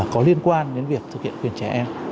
có liên quan đến việc thực hiện quyền trẻ em